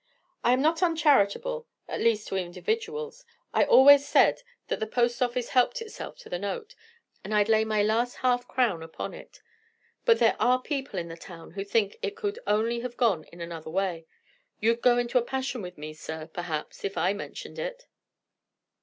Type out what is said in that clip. "I am not uncharitable: at least, to individuals. I always said the post office helped itself to the note, and I'd lay my last half crown upon it. But there are people in the town who think it could only have gone in another way. You'd go into a passion with me, sir, perhaps, if I mentioned it."